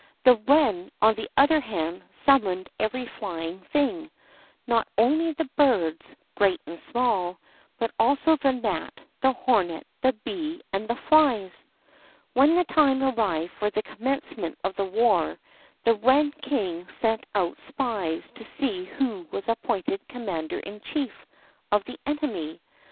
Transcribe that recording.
The wren, on the other hand, summoned every flying thing; not only the birds, great and small, but also the gnat, the hornet, the bee, and the flies. When the time arrived for the commencement of the war, the wren king sent out spies to see who was appointed commander in chief of the enemy.